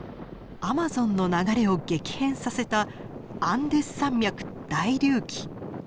アマゾンの流れを激変させたアンデス山脈大隆起。